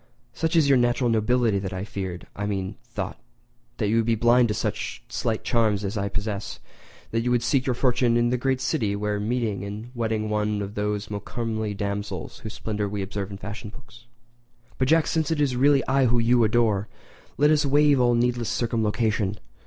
Such is your natural nobility that I had feared—I mean thought—you would be blind to such slight charms as I possess, and that you would seek your fortune in the great city; there meeting and wedding one of those more comely damsels whose splendour we observe in fashion books. "But, Jack, since it is really I whom you adore, let us waive all needless circumlocution.